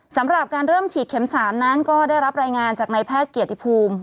สำหรับการเริ่มฉีดเข็ม๓นั้นก็ได้รับรายงานจากนายแพทย์เกียรติภูมิ